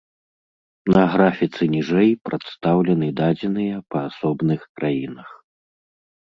На графіцы ніжэй прадстаўлены дадзеныя па асобных краінах.